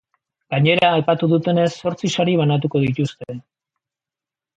Gainera, aipatu dutenez, zortzi sari banatuko dituzte.